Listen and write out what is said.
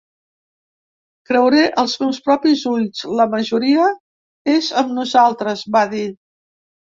Creuré els meus propis ulls: la majoria és amb nosaltres, va dir.